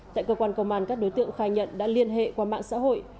tại cơ quan công an các đối tượng khai nhận đã liên hệ qua mạng xã hội